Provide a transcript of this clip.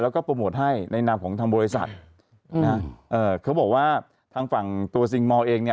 แล้วก็โปรโมทให้ในนามของทางบริษัทเขาบอกว่าทางฝั่งตัวซิงมอลเองเนี่ย